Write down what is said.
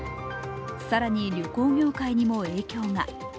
更に旅行業界にも影響が。